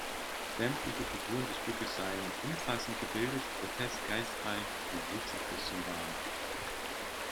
Sämtliche Figuren des Stückes seien „umfassend gebildet, grotesk geistreich und witzig bis zum Wahn“.